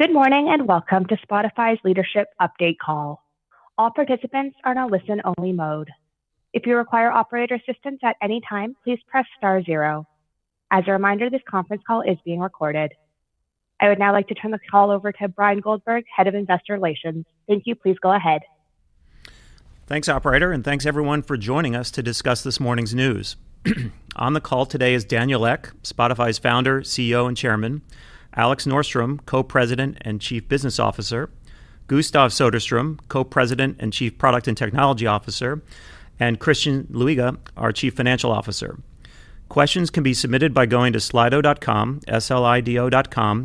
Good morning and welcome to Spotify's Leadership Update Call. All participants are in a listen-only mode. If you require operator assistance at any time, please press star zero. As a reminder, this conference call is being recorded. I would now like to turn the call over to Bryan Goldberg, Head of Investor Relations. Thank you. Please go ahead. Thanks, operator, and thanks everyone for joining us to discuss this morning's news. On the call today is Daniel Ek, Spotify's founder, CEO, and chairman, Alex Norström, Co-President and Chief Business Officer, Gustav Söderström, Co-President and Chief Product and Technology Officer, and Christian Luiga, our Chief Financial Officer. Questions can be submitted by going to slido.com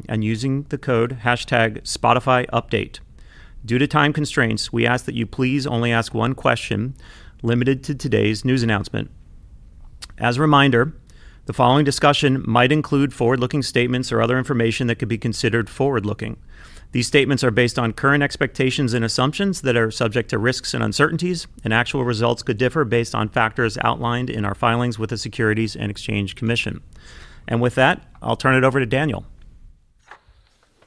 and using the code #SpotifyUpdate. Due to time constraints, we ask that you please only ask one question limited to today's news announcement. As a reminder, the following discussion might include forward-looking statements or other information that could be considered forward-looking. These statements are based on current expectations and assumptions that are subject to risks and uncertainties, and actual results could differ based on factors outlined in our filings with the Securities and Exchange Commission. With that, I'll turn it over to Daniel.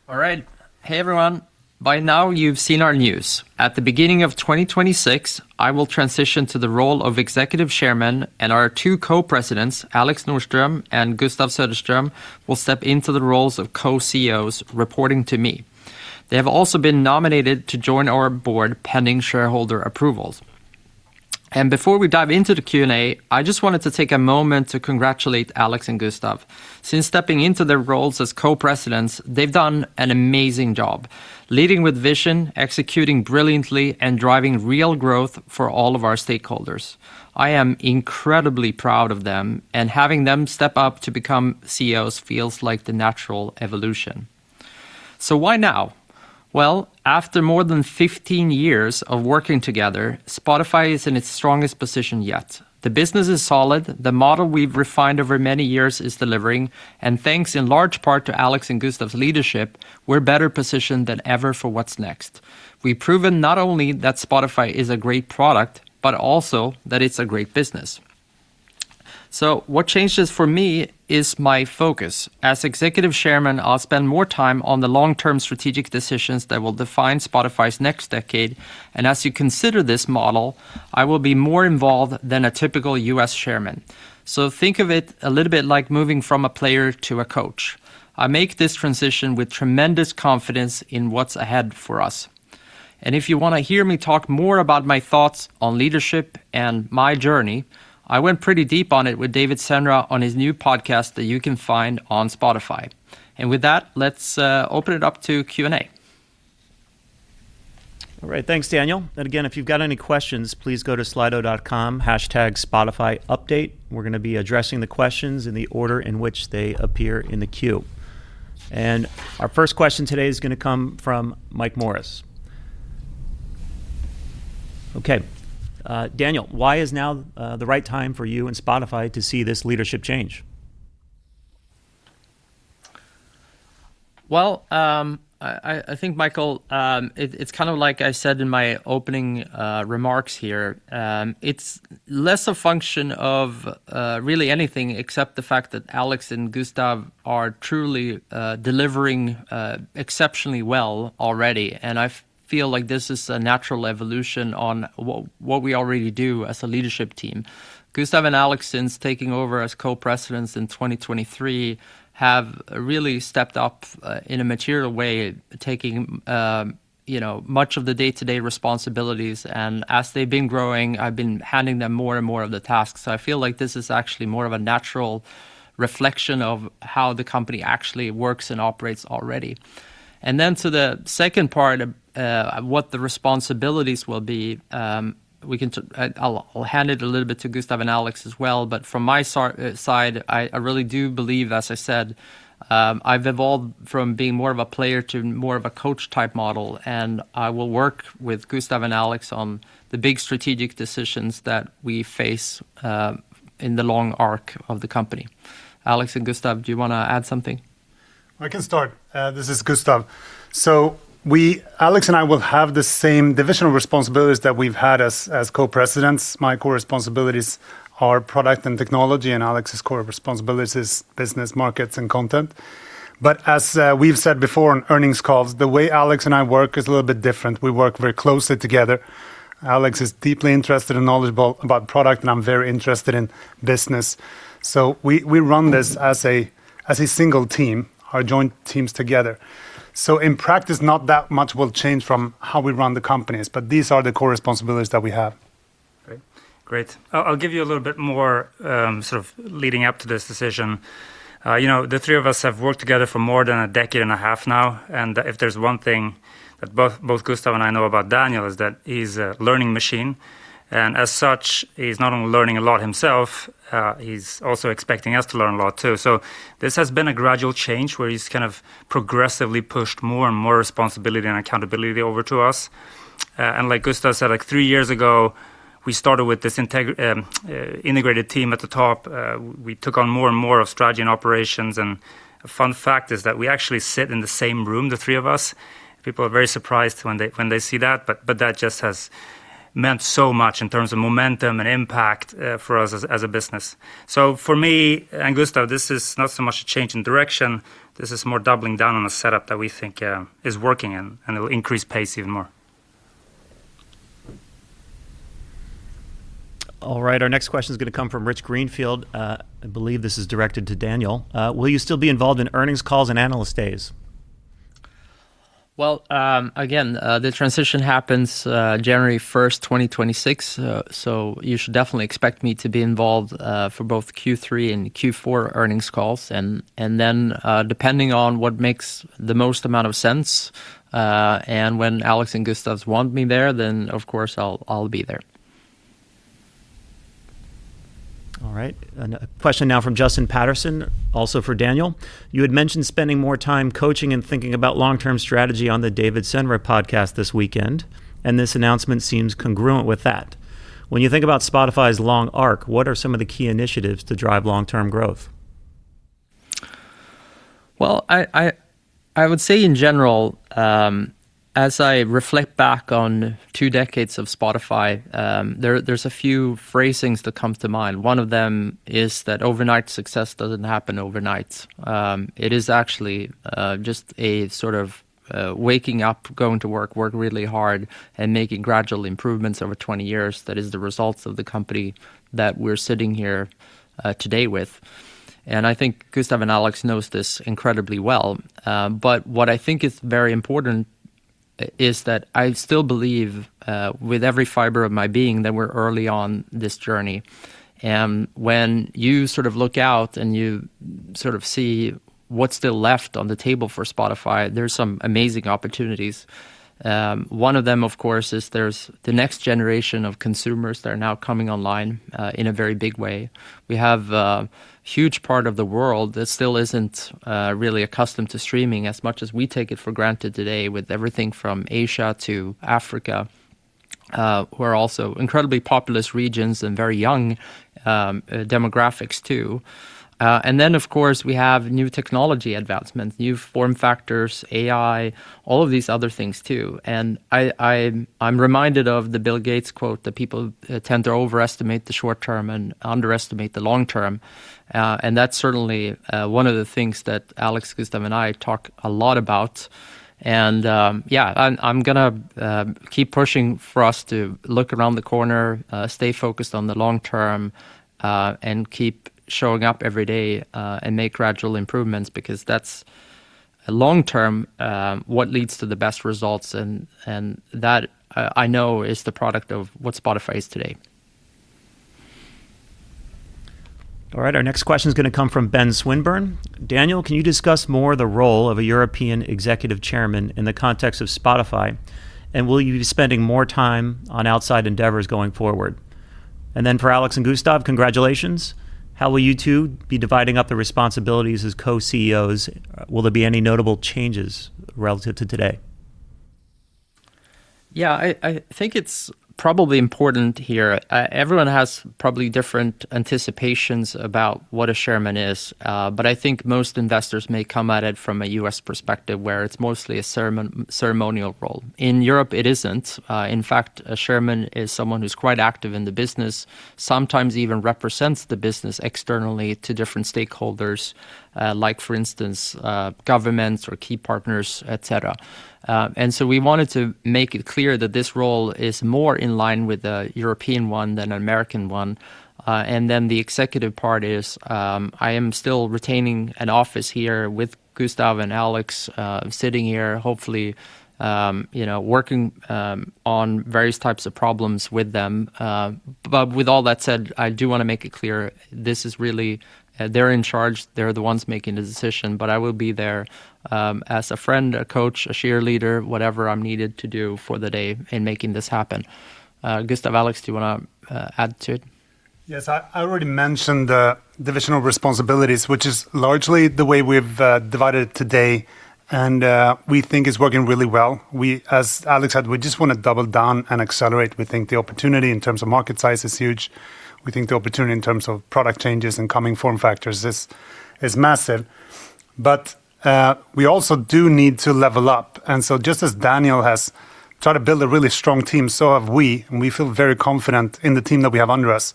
All right. Hey, everyone. By now, you've seen our news. At the beginning of 2026, I will transition to the role of Executive Chairman, and our two Co-Presidents, Alex Norström and Gustav Söderström, will step into the roles of Co-CEOs, reporting to me. They have also been nominated to join our board pending shareholder approvals. Before we dive into the Q&A, I just wanted to take a moment to congratulate Alex and Gustav. Since stepping into their roles as Co-Presidents, they've done an amazing job, leading with vision, executing brilliantly, and driving real growth for all of our stakeholders. I am incredibly proud of them, and having them step up to become CEOs feels like the natural evolution. Why now? After more than 15 years of working together, Spotify is in its strongest position yet. The business is solid. The model we've refined over many years is delivering, and thanks in large part to Alex and Gustav's leadership, we're better positioned than ever for what's next. We've proven not only that Spotify is a great product, but also that it's a great business. What changes for me is my focus. As Executive Chairman, I'll spend more time on the long-term strategic decisions that will define Spotify's next decade. As you consider this model, I will be more involved than a typical U.S. chairman. Think of it a little bit like moving from a player to a coach. I make this transition with tremendous confidence in what's ahead for us. If you want to hear me talk more about my thoughts on leadership and my journey, I went pretty deep on it with David Sendra on his new podcast that you can find on Spotify. With that, let's open it up to Q&A. All right. Thanks, Daniel. If you've got any questions, please go to slido.com, #SpotifyUpdate. We're going to be addressing the questions in the order in which they appear in the queue. Our first question today is going to come from Mike Morris. OK, Daniel, why is now the right time for you and Spotify to see this leadership change? I think, Michael, it's kind of like I said in my opening remarks here. It's less a function of really anything except the fact that Alex Norström and Gustav Söderström are truly delivering exceptionally well already. I feel like this is a natural evolution on what we already do as a leadership team. Gustav and Alex, since taking over as co-presidents in 2023, have really stepped up in a material way, taking much of the day-to-day responsibilities. As they've been growing, I've been handing them more and more of the tasks. I feel like this is actually more of a natural reflection of how the company actually works and operates already. To the second part of what the responsibilities will be, I'll hand it a little bit to Gustav and Alex as well. From my side, I really do believe, as I said, I've evolved from being more of a player to more of a coach-type model. I will work with Gustav and Alex on the big strategic decisions that we face in the long arc of the company. Alex and Gustav, do you want to add something? I can start. This is Gustav. Alex and I will have the same divisional responsibilities that we've had as co-presidents. My core responsibilities are Product and Technology, and Alex's core responsibilities are Business, Markets, and Content. As we've said before on earnings calls, the way Alex and I work is a little bit different. We work very closely together. Alex is deeply interested and knowledgeable about Product, and I'm very interested in Business. We run this as a single team, our joint teams together. In practice, not that much will change from how we run the company, but these are the core responsibilities that we have. Great. I'll give you a little bit more sort of leading up to this decision. You know, the three of us have worked together for more than a decade and a half now. If there's one thing that both Gustav and I know about Daniel, it's that he's a learning machine. As such, he's not only learning a lot himself, he's also expecting us to learn a lot, too. This has been a gradual change where he's kind of progressively pushed more and more responsibility and accountability over to us. Like Gustav said, like three years ago, we started with this integrated team at the top. We took on more and more of strategy and operations. A fun fact is that we actually sit in the same room, the three of us. People are very surprised when they see that. That just has meant so much in terms of momentum and impact for us as a business. For me and Gustav, this is not so much a change in direction. This is more doubling down on a setup that we think is working in, and it will increase pace even more. All right. Our next question is going to come from Rich Greenfield. I believe this is directed to Daniel. Will you still be involved in earnings calls and analyst days? The transition happens January 1, 2026. You should definitely expect me to be involved for both Q3 and Q4 earnings calls. Depending on what makes the most amount of sense and when Alex and Gustav want me there, of course, I'll be there. All right. A question now from Justin Patterson, also for Daniel. You had mentioned spending more time coaching and thinking about long-term strategy on the David Sendra podcast this weekend. This announcement seems congruent with that. When you think about Spotify's long arc, what are some of the key initiatives to drive long-term growth? As I reflect back on two decades of Spotify, there's a few phrasings that come to mind. One of them is that overnight success doesn't happen overnight. It is actually just a sort of waking up, going to work, work really hard, and making gradual improvements over 20 years. That is the result of the company that we're sitting here today with. I think Gustav and Alex know this incredibly well. What I think is very important is that I still believe, with every fiber of my being, that we're early on this journey. When you sort of look out and you sort of see what's still left on the table for Spotify, there's some amazing opportunities. One of them, of course, is there's the next generation of consumers that are now coming online in a very big way. We have a huge part of the world that still isn't really accustomed to streaming as much as we take it for granted today, with everything from Asia to Africa, who are also incredibly populous regions and very young demographics, too. Of course, we have new technology advancements, new form factors, AI, all of these other things, too. I'm reminded of the Bill Gates quote, that people tend to overestimate the short term and underestimate the long term. That's certainly one of the things that Alex, Gustav, and I have talked a lot about. I'm going to keep pushing for us to look around the corner, stay focused on the long term, and keep showing up every day and make gradual improvements, because that's long term what leads to the best results. That, I know, is the product of what Spotify is today. All right. Our next question is going to come from Ben Swinburne. Daniel, can you discuss more the role of a European Executive Chairman in the context of Spotify? Will you be spending more time on outside endeavors going forward? For Alex and Gustav, congratulations. How will you two be dividing up the responsibilities as Co-CEOs? Will there be any notable changes relative to today? Yeah, I think it's probably important here. Everyone has probably different anticipations about what a chairman is. I think most investors may come at it from a U.S. perspective, where it's mostly a ceremonial role. In Europe, it isn't. In fact, a chairman is someone who's quite active in the business, sometimes even represents the business externally to different stakeholders, like, for instance, governments or key partners, et cetera. We wanted to make it clear that this role is more in line with a European one than an American one. The executive part is I am still retaining an office here with Gustav and Alex, sitting here, hopefully working on various types of problems with them. With all that said, I do want to make it clear this is really they're in charge. They're the ones making the decision. I will be there as a friend, a coach, a cheerleader, whatever I'm needed to do for the day in making this happen. Gustav, Alex, do you want to add to it? Yes, I already mentioned the divisional responsibilities, which is largely the way we've divided it today. We think it's working really well. As Alex said, we just want to double down and accelerate. We think the opportunity in terms of market size is huge. We think the opportunity in terms of product changes and coming form factors is massive. We also do need to level up. Just as Daniel has tried to build a really strong team, so have we. We feel very confident in the team that we have under us.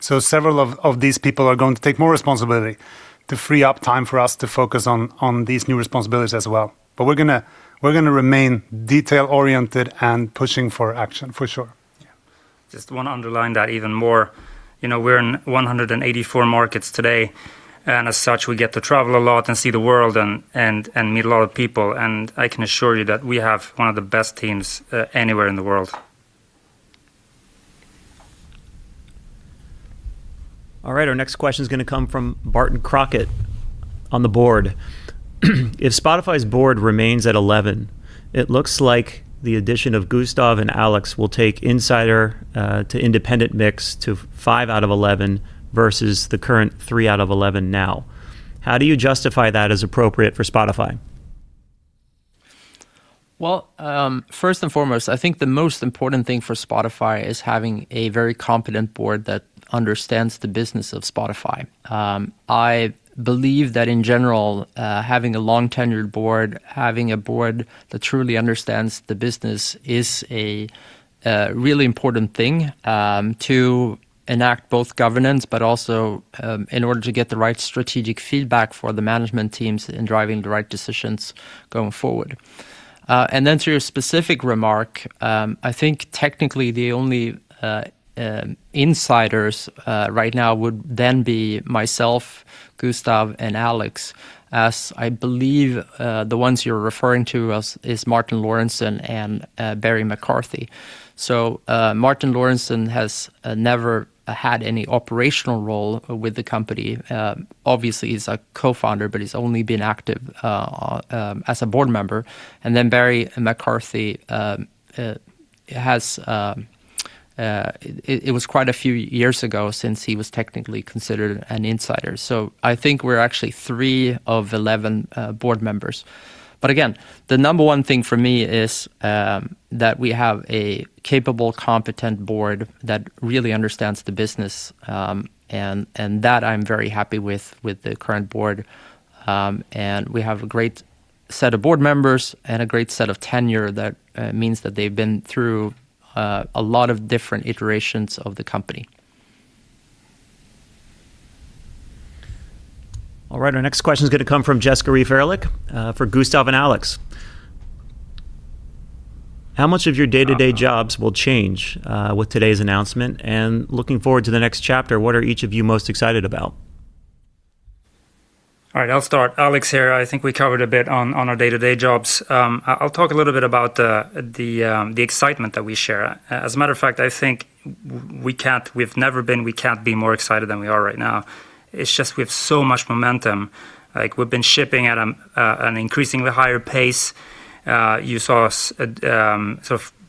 Several of these people are going to take more responsibility to free up time for us to focus on these new responsibilities as well. We're going to remain detail-oriented and pushing for action, for sure. Yeah, just want to underline that even more. You know, we're in 184 markets today. As such, we get to travel a lot and see the world and meet a lot of people. I can assure you that we have one of the best teams anywhere in the world. All right. Our next question is going to come from Barton Crockett on the board. If Spotify's board remains at 11, it looks like the addition of Gustav and Alex will take insider to independent mix to 5 out of 11 versus the current 3 out of 11 now. How do you justify that as appropriate for Spotify? First and foremost, I think the most important thing for Spotify is having a very competent board that understands the business of Spotify. I believe that, in general, having a long-tenured board, having a board that truly understands the business is a really important thing to enact both governance, but also in order to get the right strategic feedback for the management teams in driving the right decisions going forward. To your specific remark, I think technically the only insiders right now would then be myself, Gustav, and Alex, as I believe the ones you're referring to are Martin Lorentzon and Barry McCarthy. Martin Lorentzon has never had any operational role with the company. Obviously, he's a co-founder, but he's only been active as a board member. Barry McCarthy has, it was quite a few years ago since he was technically considered an insider. I think we're actually 3 of 11 board members. The number one thing for me is that we have a capable, competent board that really understands the business. I'm very happy with the current board. We have a great set of board members and a great set of tenure that means that they've been through a lot of different iterations of the company. All right. Our next question is going to come from Jessica Reeve-Ehrlich for Gustav and Alex. How much of your day-to-day jobs will change with today's announcement? Looking forward to the next chapter, what are each of you most excited about? All right, I'll start. Alex here. I think we covered a bit on our day-to-day jobs. I'll talk a little bit about the excitement that we share. As a matter of fact, I think we can't, we've never been, we can't be more excited than we are right now. It's just we have so much momentum. Like we've been shipping at an increasingly higher pace. You saw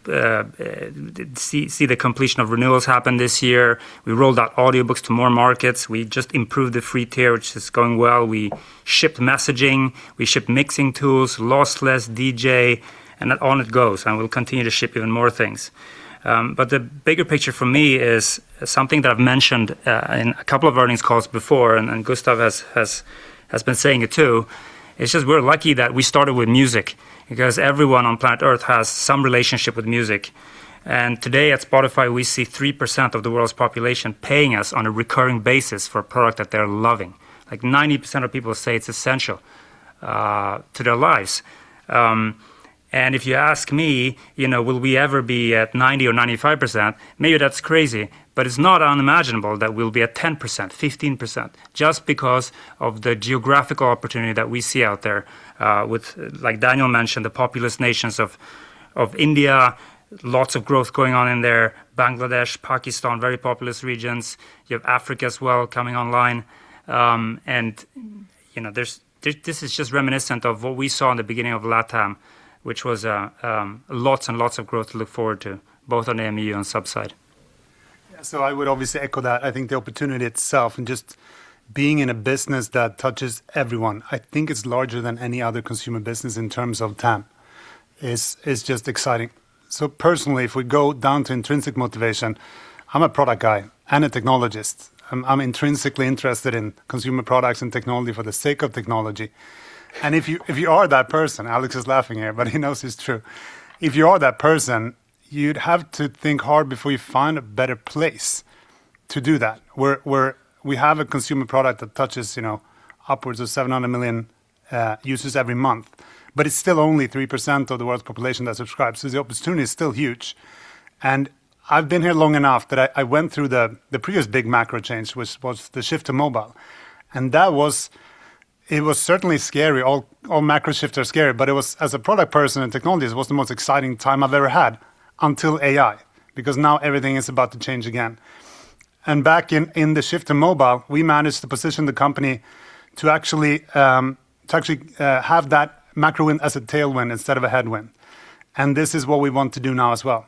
us see the completion of renewals happen this year. We rolled out audiobooks to more markets. We just improved the free tier, which is going well. We shipped messaging. We shipped mixing tools, lossless, DJ, and that on it goes. We'll continue to ship even more things. The bigger picture for me is something that I've mentioned in a couple of earnings calls before, and Gustav has been saying it, too. It's just we're lucky that we started with music because everyone on planet Earth has some relationship with music. Today at Spotify, we see 3% of the world's population paying us on a recurring basis for a product that they're loving. Like 90% of people say it's essential to their lives. If you ask me, you know, will we ever be at 90% or 95%? Maybe that's crazy. It's not unimaginable that we'll be at 10%, 15%, just because of the geographical opportunity that we see out there. With, like Daniel mentioned, the populous nations of India, lots of growth going on in there, Bangladesh, Pakistan, very populous regions. You have Africa as well coming online. You know, this is just reminiscent of what we saw in the beginning of LATAM, which was lots and lots of growth to look forward to, both on the MEU and subside. Yeah. I would obviously echo that. I think the opportunity itself and just being in a business that touches everyone, I think it's larger than any other consumer business in terms of TAM. It's just exciting. Personally, if we go down to intrinsic motivation, I'm a product guy and a technologist. I'm intrinsically interested in consumer products and technology for the sake of technology. If you are that person, Alex is laughing here, but he knows it's true. If you are that person, you'd have to think hard before you find a better place to do that, where we have a consumer product that touches upwards of 700 million users every month. It's still only 3% of the world's population that subscribes. The opportunity is still huge. I've been here long enough that I went through the previous big macro change, which was the shift to mobile. That was, it was certainly scary. All macro shifts are scary. As a product person and technologist, it was the most exciting time I've ever had until AI, because now everything is about to change again. Back in the shift to mobile, we managed to position the company to actually have that macro win as a tailwind instead of a headwind. This is what we want to do now as well.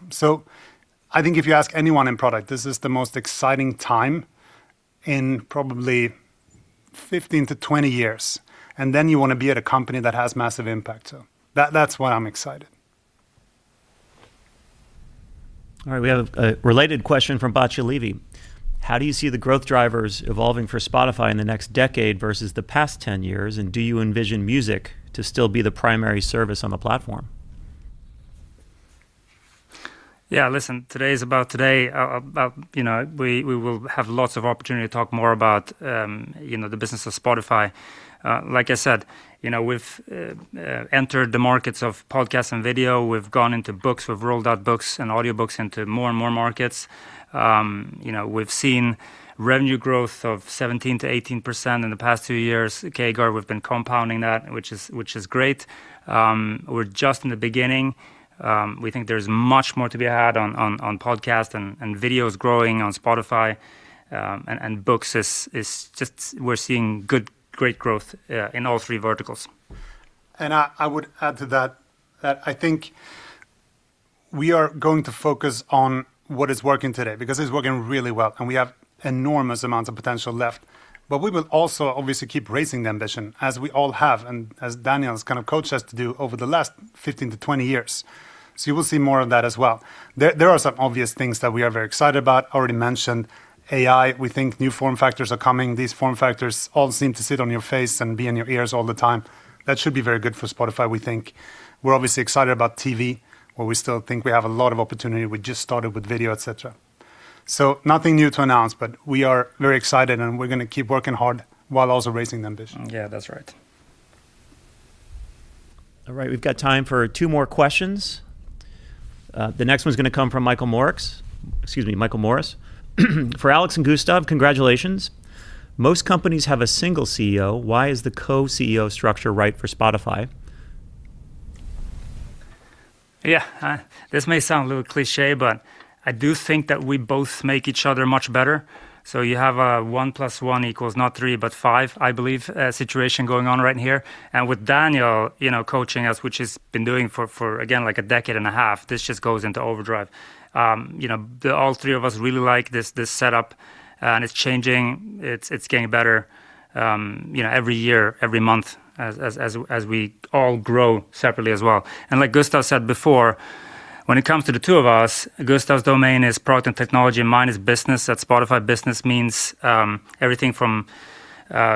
I think if you ask anyone in product, this is the most exciting time in probably 15-20 years. You want to be at a company that has massive impact. That's why I'm excited. All right. We have a related question from Bacha Levi. How do you see the growth drivers evolving for Spotify in the next decade versus the past 10 years? Do you envision music to still be the primary service on the platform? Yeah, listen, today is about today. We will have lots of opportunity to talk more about the business of Spotify. Like I said, we've entered the markets of podcasts and video. We've gone into books. We've rolled out books and audiobooks into more and more markets. We've seen revenue growth of 17%-18% in the past two years. CAGR, we've been compounding that, which is great. We're just in the beginning. We think there's much more to be had on podcasts and videos growing on Spotify. And books is just, we're seeing great growth in all three verticals. I would add to that that I think we are going to focus on what is working today, because it's working really well. We have enormous amounts of potential left. We will also obviously keep raising the ambition, as we all have, and as Daniel's kind of coached us to do over the last 15-20 years. You will see more of that as well. There are some obvious things that we are very excited about, already mentioned. AI, we think new form factors are coming. These form factors all seem to sit on your face and be in your ears all the time. That should be very good for Spotify, we think. We're obviously excited about TV, where we still think we have a lot of opportunity. We just started with video, etc. Nothing new to announce, but we are very excited. We're going to keep working hard while also raising the ambition. Yeah, that's right. All right. We've got time for two more questions. The next one is going to come from Michael Morris.For Alex and Gustav, congratulations. Most companies have a single CEO. Why is the Co-CEO structure right for Spotify? Yeah, this may sound a little cliché, but I do think that we both make each other much better. You have a one plus one equals not three, but five, I believe, situation going on right in here. With Daniel coaching us, which he's been doing for, again, like a decade and a half, this just goes into overdrive. All three of us really like this setup. It's changing. It's getting better every year, every month, as we all grow separately as well. Like Gustav said before, when it comes to the two of us, Gustav's domain is product and technology. Mine is business. At Spotify, business means everything from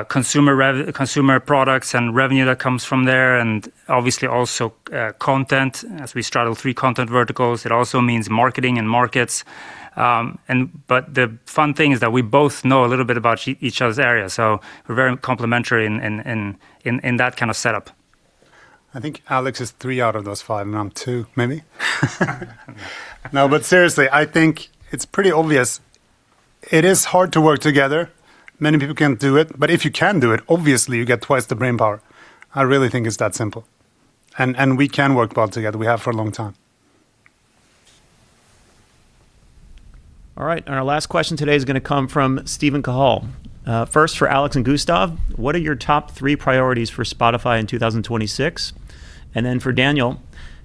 consumer products and revenue that comes from there, and obviously also content. As we straddle three content verticals, it also means marketing and markets. The fun thing is that we both know a little bit about each other's areas. We're very complementary in that kind of setup. I think Alex is three out of those five, and I'm two, maybe. No, seriously, I think it's pretty obvious. It is hard to work together. Many people can't do it. If you can do it, obviously, you get twice the brainpower. I really think it's that simple. We can work well together. We have for a long time. All right. Our last question today is going to come from Stephen Kahal. First, for Alex Norström and Gustav Söderström, what are your top three priorities for Spotify in 2026? For Daniel,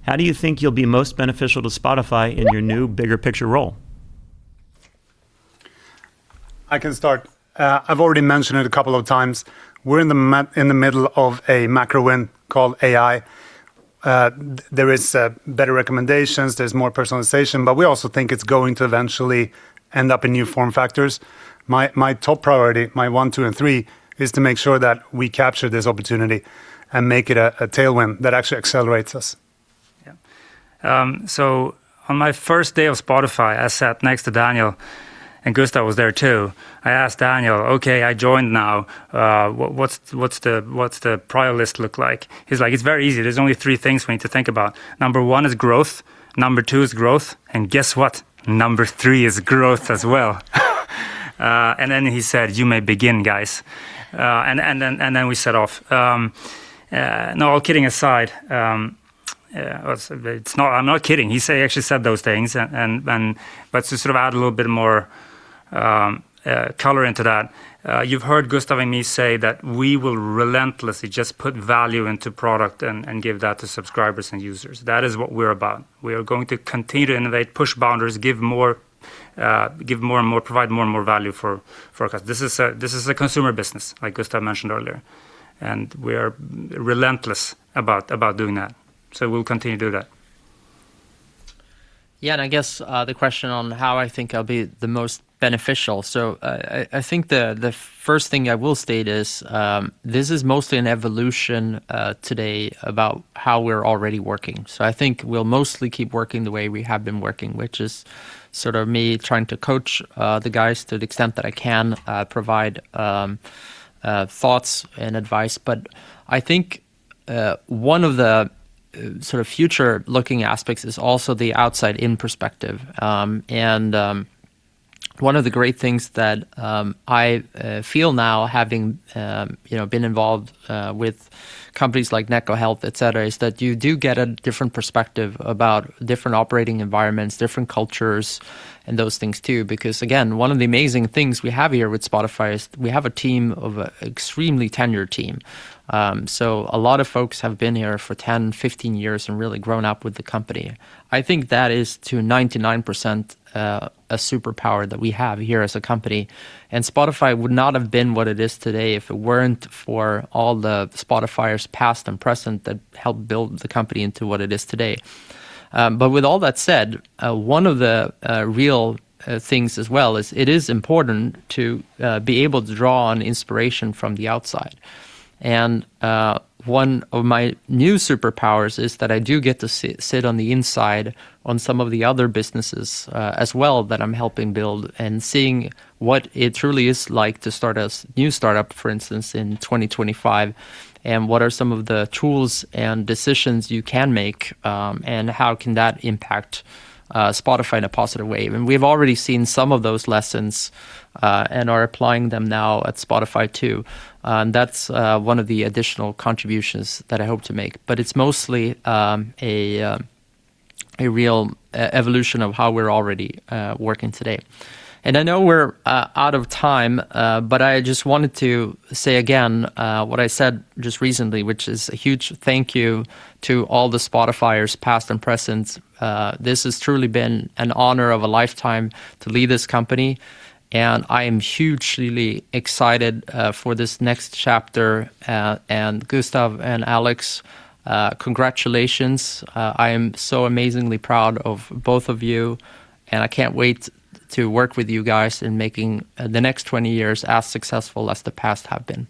how do you think you'll be most beneficial to Spotify in your new bigger picture role? I can start. I've already mentioned it a couple of times. We're in the middle of a macro win called AI. There are better recommendations, there's more personalization. We also think it's going to eventually end up in new form factors. My top priority, my one, two, and three, is to make sure that we capture this opportunity and make it a tailwind that actually accelerates us. Yeah. On my first day of Spotify, I sat next to Daniel. Gustav was there, too. I asked Daniel, OK, I joined now. What's the prior list look like? He's like, it's very easy. There's only three things we need to think about. Number one is growth. Number two is growth. Guess what? Number three is growth as well. He said, you may begin, guys. We set off. No, all kidding aside, I'm not kidding. He actually said those things. To sort of add a little bit more color into that, you've heard Gustav and me say that we will relentlessly just put value into product and give that to subscribers and users. That is what we're about. We are going to continue to innovate, push boundaries, give more and more, provide more and more value for our customers. This is a consumer business, like Gustav mentioned earlier. We are relentless about doing that. We'll continue to do that. I guess the question on how I think I'll be the most beneficial. I think the first thing I will state is this is mostly an evolution today about how we're already working. I think we'll mostly keep working the way we have been working, which is sort of me trying to coach the guys to the extent that I can provide thoughts and advice. I think one of the sort of future-looking aspects is also the outside-in perspective. One of the great things that I feel now, having been involved with companies like NecoHealth, et cetera, is that you do get a different perspective about different operating environments, different cultures, and those things, too. Again, one of the amazing things we have here with Spotify is we have a team, an extremely tenured team. A lot of folks have been here for 10, 15 years and really grown up with the company. I think that is, to 99%, a superpower that we have here as a company. Spotify would not have been what it is today if it weren't for all the Spotifyers past and present that helped build the company into what it is today. With all that said, one of the real things as well is it is important to be able to draw on inspiration from the outside. One of my new superpowers is that I do get to sit on the inside on some of the other businesses as well that I'm helping build and seeing what it truly is like to start a new startup, for instance, in 2025, and what are some of the tools and decisions you can make, and how can that impact Spotify in a positive way. We have already seen some of those lessons and are applying them now at Spotify, too. That is one of the additional contributions that I hope to make. It is mostly a real evolution of how we are already working today. I know we are out of time, but I just wanted to say again what I said just recently, which is a huge thank you to all the Spotifyers past and present. This has truly been an honor of a lifetime to lead this company. I am hugely excited for this next chapter. Gustav and Alex, congratulations. I am so amazingly proud of both of you. I cannot wait to work with you guys in making the next 20 years as successful as the past have been.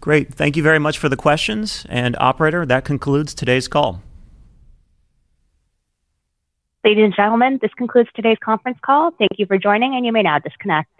Great. Thank you very much for the questions. Operator, that concludes today's call. Ladies and gentlemen, this concludes today's conference call. Thank you for joining, and you may now disconnect.